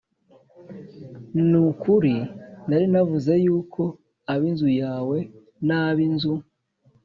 Ni ukuri nari navuze yuko ab inzu yawe n ab inzu